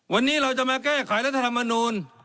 วันนี้เราจะมาแก้ไขรัฐธรรมนูล